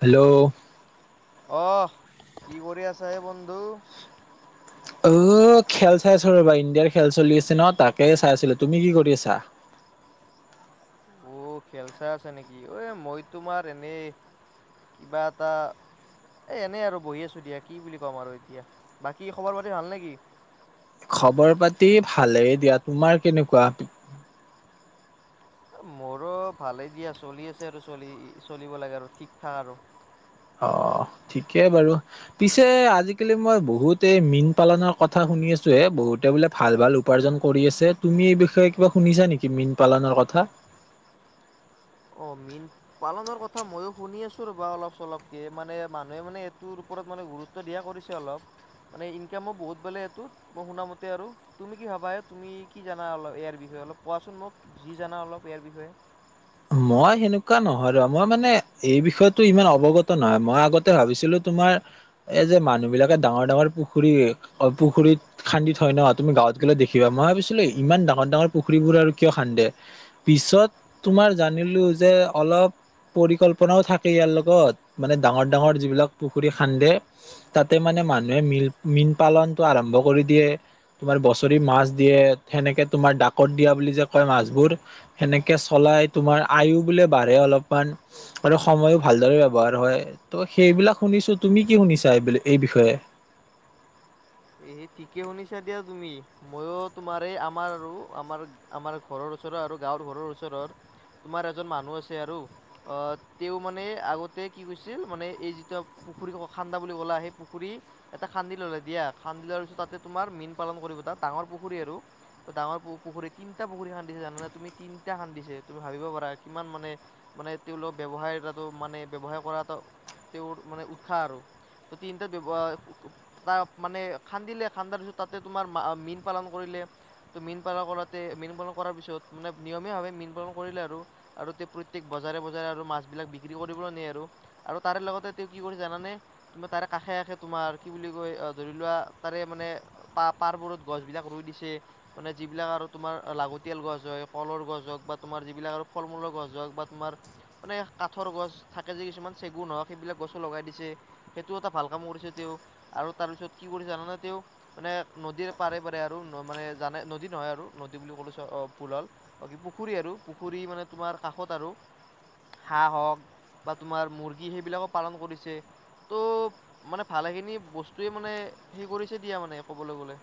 Hello, অহ, কি কৰি আছা হে বন্ধু? ঔহ, খেল চাই আছো ৰ'বা ইণ্ডিয়াৰ খেল চলি আছে ন' তাকে চাই আছিলো তুমি কি কৰি আছা? [unintelligible] [inaudible] অ', খেল চাই আছে নেকি এ মই তোমাৰ এনেই কিবা এটা এ' এনেই আৰু বহি আছো দিয়া কি বুলি ক'ম আৰু এতিয়া বাকী খবৰ -পাতি ভাল নেকি? খবৰ- পাতি ভালেই দিয়া তোমাৰ কেনেকুৱা? মোৰো ভালেই দিয়া চলি আছে আৰু চলি চলিব লাগে আৰু ঠিক থাক আৰু। অহ ঠিকেই বাৰু পিছে আজিকালি মই বহুত এই মীন-পালনৰ কথা শুনি আছো হে বহুত বহুতে বোলে ভাল -ভাল উপাৰ্জন কৰি আছে তুমি এই বিষয়ে কিবা শুনিছা নেকি মীন- পালনৰ কথা। [inaudible] অ', মীন পালনৰ কথা ময়ো শুনি আছো ৰবা অলপ চলপকে মানে মানুহে মানে এইটোৰ ওপৰত মানে গুৰুত্ব দিয়া কৰিছে অলপ। মানে ইনকামো বহুত বোলে এইটোত মই শুনা মতে আৰু তুমি কি ভাবা এ তুমি কি জানা অল ইয়াৰ বিষয়ে? অলপ কোৱাচোন মোক যি জানা অলপ ইয়াৰ বিষয়ে? মই সেনেকুৱা নহয় ৰ মই মানে এই বিষয়তো ইমান অৱগত নহয় মই আগতে ভাবিছিলো তোমাৰ এই যে মানুহ বিলাকে ডাঙৰ -ডাঙৰ পুখুৰী- পুখুৰীত খান্দি থয় ন' তুমি গাঁৱত গ'লে- দেখিবা মই ভাবিছিলো ইমান ডাঙৰ- ডাঙৰ পুখুৰীবোৰ আৰু কিয় খান্দে পিছত তোমাৰ জানিলোঁ যে অলপ পৰিকল্পনাও থাকে ইয়াৰ লগত মানে ডাঙৰ- ডাঙৰ যিবিলাক পুখুৰী খান্দে তাতে মান- মানুহে মী মীন পালনটো আৰম্ভ কৰি দিয়ে। তোমাৰ বছৰি মাছ দিয়ে সেনেকে তোমাৰ ডাকত দিয়া বুলি যে কয় মাছবোৰ সেনেকে- চলাই তোমাৰ আয়ু বোলে বাঢ়ে অলপমান আৰু সময়ো ভালদৰে ব্যৱহাৰ হয় ত সেই- বিলাক শুনিছো তুমি কি শুনিছা এইব এই বিষয়ে? এ ঠিকে শুনিছা দিয়া তুমি। মইয়ো তোমাৰ এই আমাৰ আৰু আমাৰ আমাৰ ঘৰৰ ওচৰ- ৰ আৰু গাঁৱৰ ঘৰৰ ওচৰ- তোমাৰ এজন মানুহ আছে আৰু আহ তেওঁ মানে আগতে কি কৈছিল মানে এই যিটা- পুখুৰী খান্দা বুলি ক'লা সেই পুখুৰী এটা খান্দি ল'লে দিয়া খান্দিলা ছো তাতে তোমাৰ মীন পালন কৰিবা ডাঙৰ পুখুৰী আৰু বা ডাঙৰ পুখুৰী তিনিটা পুখুৰী খান্দি- জানে তুমি তিনিটা খান্দি দিছে তুমি ভাবিব পাৰা কিমান মানে মানে তেওঁলৰ ব্যৱসায় এটাটো মানে- ব্যৱসায় কৰাটো তেওঁৰ মানে উৎসাহ আৰু ত তিনটাত ব্যৱসা কুব কুব তাত মানে খান্দিলে খান্দাৰ পিছত তাতে তোমাৰ মা মীন পালন কৰিলে তো মীন পালন কৰাতে মীন পালন কৰাৰ পিছত মানে নিয়মীয়া ভাৱে মন পালন কৰিলে আৰু তে প্ৰত্যেক বজাৰে বজাৰে আৰু মাছ বিলাক বিক্ৰী কৰি- বলৈ নিয়ে আৰু তাৰে লগতে তেওঁ কি কৰি জানে তুমি তাৰে কাষে কষে তোমাৰ কি বুলি কয়- ধৰি লোৱা তাৰে মানে প পাৰবোৰত গছ বিলাক ৰুই দিছে মানে যিবিলাক আৰু তোমাৰ লাগ- তিয়াল গছ হয় কলৰ গছ হওঁক বা তোমাৰ যিবিলাক আৰু ফল মূলৰ গছ হওক বা তোমাৰ মানে কাঠৰ গছ থাকে যে কিছুমান চেগুন হওক সেইবিলাক গছো লগাই দিছে সেইটোও এটা ভাল কাম কৰিছে তেওঁ আৰু তাৰ পিছত কি কৰিছে জানানে তেওঁ মানে নদীৰ পাৰে পাৰে আৰু মানে জানে নদী নহয় আৰু নদী বুলি পুল অ চ পুলাল অ কি পুখুৰী আৰু পুখুৰী মানে তোমাৰ কাষত আৰু হাঁহ হওক বা তোমাৰ মুৰ্গী সেইবিলাকো পালন কৰিছে। ত' মানে ভালেখিনি বস্ত- তোৱে মানে হে কৰিছে দিয়া মানে কবলৈ গলে।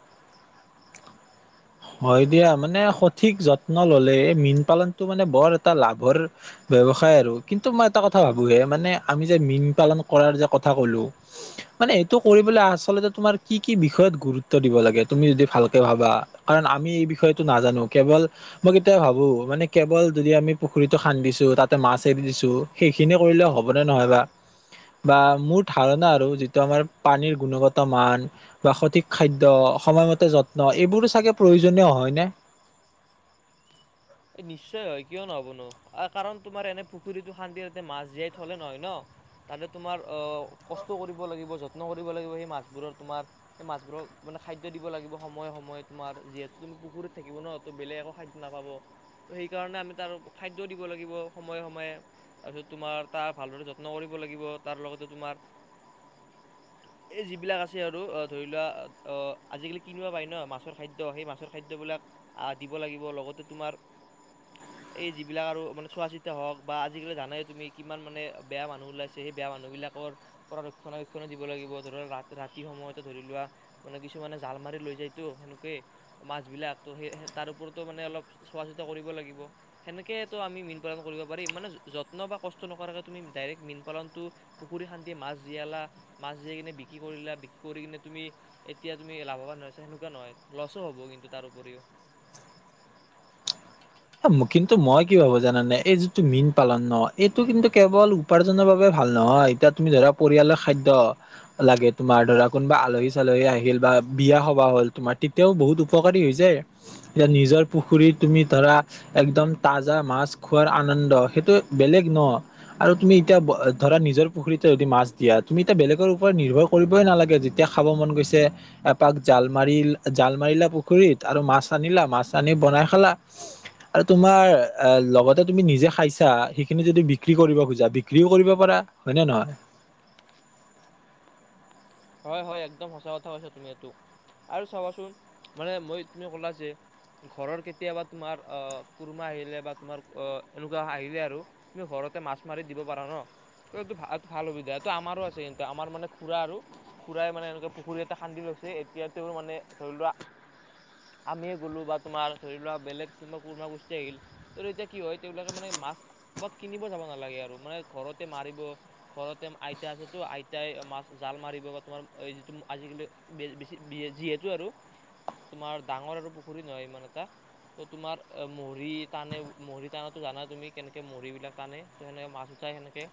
হয় দিয়া মানে সঠিক যত্ন ল'লে এই মীন পালনতটো মানে বৰ এটা লাভৰ ব্যবস- সায় আৰু কিন্তু মই এটা কথা ভাবোহে মানে আমি যে মীন পালন কৰাৰ যে কথা কলো মানে এইটো কৰিবলৈ আচলতে তোমাৰ কি কি বিষয়ত গুৰুত্ব দিব লাগে তুমি যদি ভালকে ভাবা কাৰণ আমি এই বিষয়টো নাজানো কেৱল মই কেতিয়াবা ভাবো মানে কেৱল যদি আমি পুখুৰীতটো খান্দিছো তাতে মাছ এৰি দিছোঁ সেইখিনি কৰিলে হ'বনে নহয় বা বা মোৰ ধাৰণা আৰু যিটো আমাৰ পানীৰ গুণগত মান বা সঠিক খাদ্য সময়মতে যত্ন এইবোৰো চাগে প্ৰয়োজনীয় হয় নে? এই নিশ্চয় হয় কিয় নহবনো কাৰণ তোমাৰ এনে পুখুৰীতটো শান্তিতে মাছ জীয়াই থলে নহয় ন। তাতে তোমাৰ অ কষ্ট কৰিব লাগিব যত্ন কৰিব লাগিব সেই মাছবোৰৰ তোমাৰ সেই মাছবোৰৰ- খাদ্য দিব লাগিব সময়ে সময়ে তোমাৰ যিহেতু তুমি পুখুৰীত থাকিব ন ত বেলেগ একো খাদ্য নাপাব। ত সেইকাৰণে আমি তাৰ খাদ্য দিব লাগিব সময়ে সময়ে তাৰপিছত তোমাৰ তাৰ ভালদৰে যত্ন কৰি- লাগিব তাৰ লগতে তোমাৰ [inaudible] এই যিবিলাক আছে আৰু অ ধৰি লোৱা অ আজিকালি কিনিব পাই ন মাছৰ খাদ্য সেই মাছৰ খাদ্যবিলাক আহ দিব লাগিব লগতে তোমাৰ [inaudible] এই যিবিলাক আৰু মানে চোৱা চিতা হওক বা আজিকালি জানে তুমি কিমান মানে বেয়া মানুহ ওলাইছে সেই বেয়া মানুহ বিলাকৰ পৰা ৰক্ষণাবেক্ষণ দিব লাগিব ধৰি ৰাতি সময়তে ধৰি লোৱা মানে কিছুমানে জাল মাৰ লৈ যায় তো লোকে মাছ বিলাক সেই তাৰ ওপৰতো মানে অলপ চোৱা -চিতা কৰিব লাগ সেনেকেটো আমি মীন পালন কৰিব পাৰিম। মানে যত্ন বা কষ্ট নকৰাকে তুমি ডৰেক্ ম পালনটো পুখুৰী খান্দি মাছ জিয়ালা মাছ জিয়াই কিনে বিক্ৰী কৰিলা বিক্ৰী কৰিনে তুমি এতিয়া তুমি লাভৱান হৈছে সেনেকুৱা নহয় লছো হ'ব কিন্তু তাৰ উপৰিও। [inaudible] কিন্তু মই কি ভাবো জানানে এই যিটো মীন পালন ন এইটো কিন্তু কেৱল উপাৰ্জনৰ বাবে ভ ভাল নহয় এতিয়া তুমি ধৰা পৰিয়ালৰ খাদ্য লাগে তোমাৰ ধৰা কোনোবা আলহী- চালহী আহিল বা বিয়া সবাহ হ'ল তোমাৰ তেতিয়াও বহুত উপকাৰী হৈ যায় এতিয়া নিজৰ পুখুৰীত তুমি ধৰা একদম তাজা মাছ খোৱাৰ আনন্দ সেইটো বেলেগ ন আৰু তুমি এতিয়া ধৰা নিজৰ পুখুৰীতে যদি মাছ দিয়া তুমি এতিয়া বেলেগৰ ওপৰত নিৰ্ভৰ কৰিবই নালাগে যেতিয়া খাব মন গৈছে এপাক জাল মাৰিল জাল মাৰিলা পুখুৰীত আৰু মাছ আনিলা মাছ আনি বনাই খালা। আৰু তোমাৰ অ, লগতে তুমি নিজে খাইছা সেইখিনি যদি বিক্ৰী কৰিব খোজা বিক্ৰীও কৰিব পাৰা। হয়নে, নহয়? হয়, হয় একদম সঁচা কথা কৈছ তুমি এইটো। আৰু চাবাচোন মানে মই তুমি কলা যে ঘৰৰ কেতিয়াবা তোমাৰ অ, কুৰমা আহিলে বা তোমাৰ অ এনেকুৱা আহিলে আৰু তুমি ঘৰত ঘৰতে মাছ মাৰি দিব পাৰা ন ত এই ভাল সুবিধাটো আমাৰো আছে কিন্তু আমাৰ মানে খুৰা আৰু খুৰাই মানে এনেকে পুখুৰী এটা খান্দি লৈছে এতিয়া তেওঁৰ মানে ধৰি লোৱা আমিয় গ'লো বা তোমাৰ ধৰি লোৱা বেলেগ কোনবা কুৰ্মা গোষ্ঠী আহিল ত এতিয়া কি হয়, তেওঁলাকে মানে মাছ কবাত কিনিব যাব নালাগে আৰু মানে ঘৰতে মাৰিব। ঘৰতে আইতা আছে তো আইতাই মাছ জাল মাৰিব বা তোমাৰ যি আজিকালি বেছি যিহেতু আৰু তোমাৰ ডাঙৰ আৰু পুখুৰী নহয়, ইমান এটা। ত, তোমাৰ মৰি টানে মৰি টানা জানাই তুমি কেনেকে মহৰি বিলাক টানে ত সেনে মাছ সেনেকে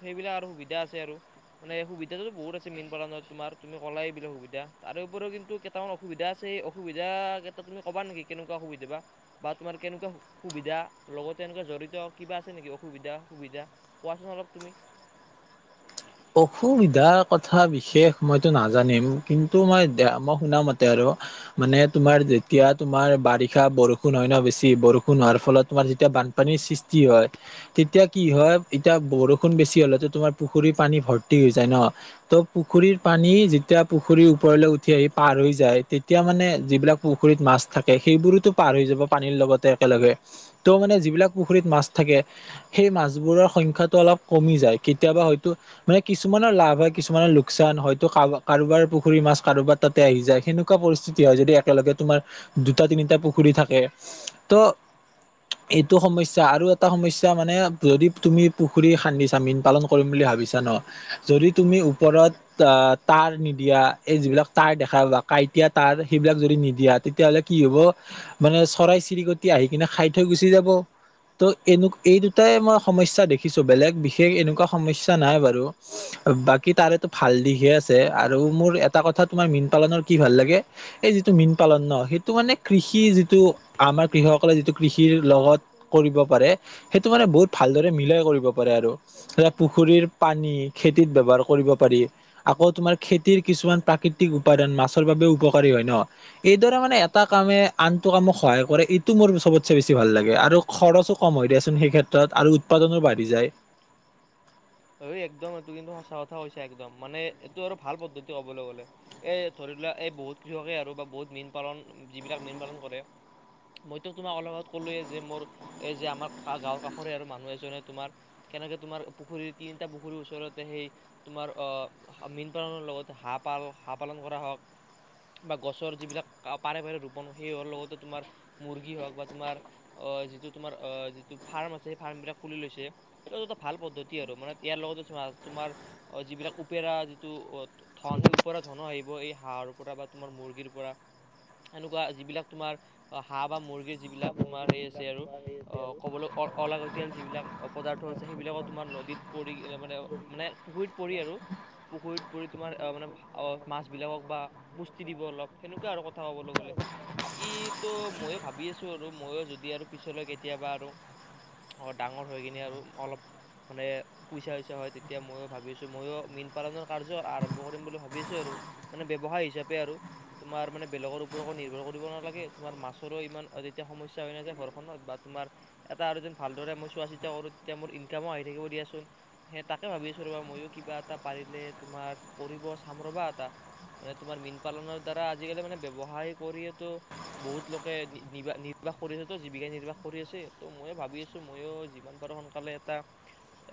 সেইবিলাক আৰু সুবিধা আছে আৰু মানে সুবিধাতটো বহুত আছে। মীন পালত তোমাৰ তুমি কল এইবিলাক সুবিধা। তাৰ উপৰিও কিন্তু কেইটামান অসুবিধা আছে এই অসুবিধা ক তুমি কবা নেকি কেনেকুৱা সুবিধা বা তুমাৰ কেনেকুৱা সুবিধা লগতে এনেকুৱা জড়িত কিবা আছে নেকি? অসুবিধা সুবিধা কোৱাচোন অলপ তুমি। [inaudible] অসুবিধাৰ কথা বিশেষ মইতো নাজানিম কিন্তু মই দে মই শুনা মতে আৰু মানে তোমাৰ যেতিয়া তোমাৰ বাৰিষা বৰষুণ হয় ন, বেছি বৰষুণ হোৱাৰ ফলত তোমাৰ যেতিয়া বানপানীৰ সৃষ্টি হয়। তেতিয়া কি হয় এতিয়া বৰষুণ বেছি হল তোমাৰ পুখুৰী পানী ভৰ্তি হৈ যায় ন। ত' পুখুৰীৰ পানী যি তেতিয়া পুখুৰীৰ ওপৰলৈ উঠি আহি পাৰ হৈ যায়, তে তেতিয়া মানে যিবিলাক পুখুৰীত মাছ থাকে সেইবোৰোতো পাৰ হৈ যাব পানীৰ লগতে একেলগে। ত' মানে, যিবিলাক পুখুৰীত মাছ থাকে সেই মাছবোৰৰ সংখ্যাটো অলপ কমি যায়। কেতিয়াবা হয় মানে কিছুমানৰ লাভ হয়, কিছুমানৰ লোকচান হয়তো কাৰো কাৰোবাৰ পুখুৰী মাছ কাৰোবাৰ তাতে আহি যায়। সেনেকুৱা পৰিস্থিতি হয়, যদি একেলগে তোমাৰ দুটা তিনিটা পুখুৰী থাকে ত' এইটো সমস্যা আৰু এটা সমস্যা মানে যদি তুমি পুখুৰী খান্দি চা, মীন পালন কৰিম বুলি ভাবা। বিচা ন, যদি তুমি ওপৰত তাৰ নিদিয়া, এ যিবিলাক তাৰ দেখা যায় কাঁ এতিয়া তাৰ সেইবিলাক যদি নিদিয়া তেতিয়া কি হব মানে চৰাই চিৰিকতি আহি খাই থৈ গুচি যাব। ত' এনে এই দুটাই মই সমস্যা দেখিছো বেলেগ বিশেষ এনেকুৱা সমস্যা নাই বাৰু বাকী তাৰে ভাল দিশহে আছে আৰু মোৰ এটা কথা তোমাৰ মীন পালনৰ কি ভাল লাগে, এই যিটো মীন পালন ন সেইটো মানে কৃষি যিটো আমাৰ কৃষকসকলে যিটো কৃষিৰ লগত কৰিব পাৰে সেইটো মানে বহুত ভাল। ভাল মিলাই কৰিব পাৰে আৰু। পুখুৰীৰ পানী খেতিত ব্যৱহাৰ কৰিব পাৰি আকৌ তোমাৰ খেতিৰ কিছুমান প্ৰাকৃতিক উপাদান মাছৰ বাবেও উপকাৰী হয় ন? এইদৰে মানে এটা কামে আনটো কামক সহায় কৰে। এইটো মোৰ চবতচে বেছি ভাল লাগে। আৰু খৰচো কম হয়। সেই ক্ষেত্ৰত আৰু উৎপাদনো বাঢ়ি যায়। অ, একদম এইটো কিন্তু সঁচা কথা কৈছা একদম। মানে এইটো আৰু ভাল পদ্ধতি কবলৈ গলে এ ধৰি এই বহুত কৃষকে আৰু বা বহুত মীন পালন যিবিলাক মীন পালন কৰে মইতো তোমাক অলপ ক'লোয়ে যে মোৰ এই যে আমাৰ গাঁৱৰ কাষৰে আৰু মানুহ এজনে তোমাৰ কেনেকৈ তোমাৰ পুখুৰীত। তিনিটা পুখুৰীৰ ওচৰতে সেই তোমাৰ মীন পালনৰ লগতে হাঁহ পাল হাঁহ পালন কৰা হওক বা গছৰ যিবিলাক পাৰে-পাৰে ৰৰুবন সেই হোৱাৰ লগতে তোমাৰ মুৰ্গী হওঁক বা তোমাৰ অ, যিটো তোমাৰ অ, যিটো ফাৰ্ম আছে সেই ফাৰ্ম বিলাক খুলি লৈছে, ত, এটা ভাল পদ্ধতি আৰু মানে ইয়াৰ লগতে চোৱা তোমাৰ অ, যিবিলাক উপেৰা যিটো অ, ধন সেই ওপৰা ধনো আহিব এই হাঁহ ত পৰা বা তোমাৰ মুৰ্গীৰ পৰা। এনেকুৱা যিবিলাক তোমাৰ হাঁহ বা মুৰ্গীৰ যিবিলাক তোমাৰ সেই আছে আৰু অ, ক'বলৈ অ-অলাগতীয়াল যিবিলাক অপদাৰ্থ আছে সেইবিলাকক তোমাৰ নদীত পৰি মানে-মানে পুখুৰীত পৰি আৰু পুখুৰীত পৰিু তোমাৰ মানে মাছ বিলাকক বা পুষ্টি দিব অলপ সেনেকুৱা আৰু কথা ক'বলৈ গ'লে। বাকী তো ময়ো ভাবি আছো আৰু মইও যদি আৰু পিছলৈ কেতিয়াবা আৰু। অ', ডাঙৰ হৈ কিনে আৰু অলপ মানে পইচাইচা হয়, তেতিয়া ময়ো ভি আছো ময়ো মীন পালনৰ কাৰ্য আৰম্ভ কৰিম বুলি ভাবি আছো আৰু। মানে বে ব্যৱসায় হিচাপে আৰু তোমাৰ মানে বেলেগৰ ওপৰতো নিৰ্ভৰ কৰিব নালাগে, তোমাৰ মাছৰো ইমান যেতিয়া সমস্ ইচা নাযায় ঘৰখনত বা তোমাৰ এটা আৰু যেন ভালদৰে মই চোৱা চিতা কৰো তেতিয়া মোৰ ইনকামো আহি থাকিব দিয়াচোন। সেই তাকে ভাবিছোঁ ৰ'বা ময়ো কিবা এটা পাৰিলে তোমাৰ কৰিব চাম ৰবা এটা। মানে তোমাৰ মীন পালনৰ দ্বাৰা আজিকালি মানে ব্যৱসায় কৰিয়ো বহুত লোকে নিবা-নি কৰি আছে তো জীৱিকা নিৰ্বাহ কৰি আছে। ত' ময়ো ভাবি আছো ময়ো যিমান পাৰোঁ সোনকালে এটা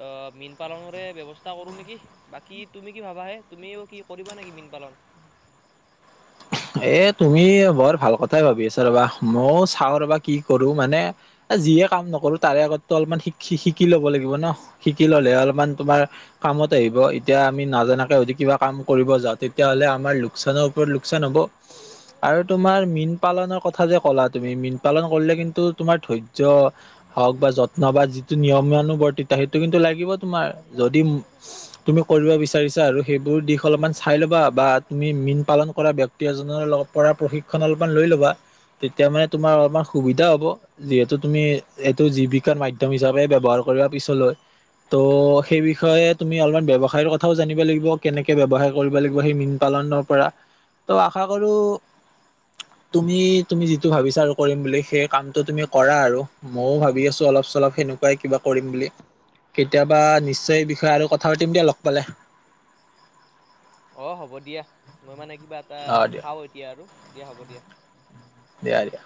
আ, মীন পালনেৰে ব্যৱস্থা কৰোঁ নেকি, বাকী তুমি কি ভাবাহে তুমিও কি কৰিবা নেকি মীন পালন? [inaudible] এ তুমি বৰ ভাল কথাই ভাবি আছা ৰবা ময় চাও ৰবা কি কৰো মানে যিয়ে কাম নকৰো তাৰে আগত অলপমান শি-শিকি লব' লাগিব। ন? শিকি ললেহে অলপমান তোমাৰ কামত আহিব এতিয়া আমি নাজানাকে হয়তো কিবা কাম কৰিব যাওঁ তেতিয়াহ'লে আমাৰ লোকচানৰ ওপৰত লোকচান হ'ব। আৰু তোমাৰ মীন পালনৰ কথা যে ক'লা তুমি মীন পালন কৰিলে কিন্তু তুমাৰ ধৰ্য হওক বা যত্ন বা যিটো নিয়মীয়ানু বৰ্তিতা সেইটো কিন্তু লাগিব তোমাৰ। যদি তুমি কৰিব বিচাৰিছা আৰু সেইবোৰ দিশ অলপমান চাই ল'বা বা তুমি মীন পালন কৰা ব্যয়ক্তি এজনৰ লগত পৰা প্ৰশিক্ষন অলপমান লৈ ল'বা। তেতিয়া মানে তোমাৰ অলমান সুবিধা হ'ব যিহেতু তুমি এইটো জীৱিকাৰ মাধ্য়ম হিচাপে ব্যয়ৱহাৰ কৰিব পিছলৈ। ত' সেই বিষয়ে তুমি অলপমান ব্যৱসায়ৰ কথাও জানিব লাগিব কেনেকে ব্যয়ৱসায় কৰিব লাগিব সেই মীন পাত পাল পৰা ত' আশা কৰো তুমি-তুমি যিটো ভাবিছা আৰু কৰিম বুলি সেই কামটো তুমি কৰা আৰু ময়ো ভাবি আছো অলপ চলপ সেনেকুৱাই কিবা কৰিম বুলি। কেতিয়াবা নিশ্চয় এই বিষয়ে আৰু কথা পাতিম দিয়া লগ পালে। অ', হ'ব দিয়া মই মানে কিবা এটা অ দিয়া খাওঁ এতিয়া আৰু দিয়া হ'ব দিয়া। দিয়া-দিয়া।